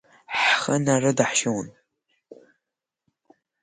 Ҳхы нарыдаҳшьылон!